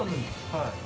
はい。